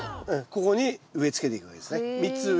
ここに植えつけていくわけですね。